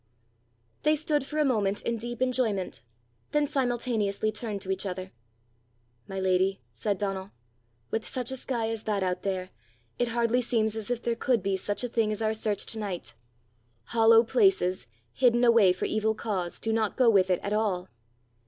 They stood for a moment in deep enjoyment, then simultaneously turned to each other. "My lady," said Donal, "with such a sky as that out there, it hardly seems as if there could be such a thing as our search to night! Hollow places, hidden away for evil cause, do not go with it at all!